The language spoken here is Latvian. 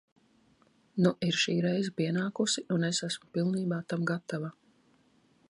Nu ir šī reize pienākusi, un es esmu pilnībā tam gatava.